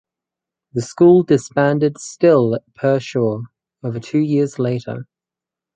The school disbanded still at Pershore over two years later.